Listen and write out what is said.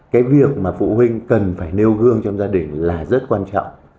cái việc mà phụ huynh cần phải nêu gương trong gia đình là rất quan trọng